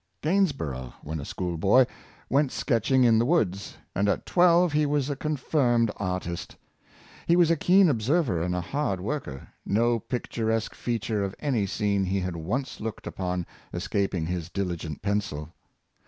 Gainsborough, when a school boy, went sketch ing in the woods, and at twelve he was a confirmed artist; he was a keen observer and a hard worker — no picturesque feature of any scene he had once looked upon escaping his diligent pencil.